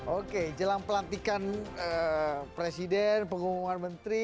oke jelang pelantikan presiden pengumuman menteri